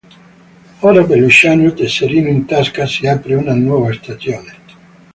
Ora per Luciano, tesserino in tasca, si apre una nuova stagione.